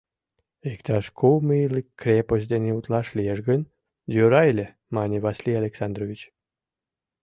— Иктаж кум ийлык крепость дене утлаш лиеш гын, йӧра ыле, — мане Василий Александрович.